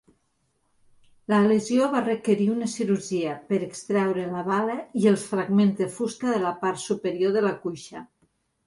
La lesió va requerir una cirurgia per extreure la bala i els fragments de fusta de la part superior de la cuixa.